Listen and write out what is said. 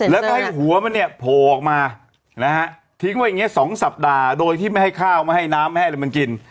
แล้วก็ให้หัวมันเนี่ยโผล่ออกมานะฮะทิ้งไว้อย่างนี้๒สัปดาห์โดยที่ไม่ให้ข้าวไม่ให้น้ำไม่ให้อะไรมันกิน